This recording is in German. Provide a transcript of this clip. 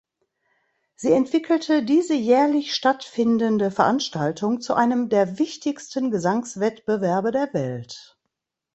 Sie entwickelte diese jährlich stattfindende Veranstaltung zu einem der wichtigsten Gesangswettbewerbe der Welt.